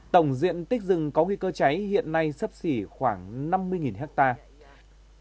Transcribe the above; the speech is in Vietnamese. tổng diện tích rừng có nguy cơ cháy hiện nay sấp xỉ khoảng năm mươi hectare